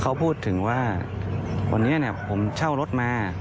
เขาพูดถึงว่าวันนี้ผมเช่ารถมา